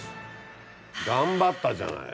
頑張ったじゃない。